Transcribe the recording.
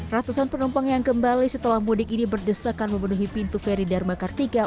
ratusan penumpang yang kembali setelah mudik ini berdesakan memenuhi pintu feri darmakartika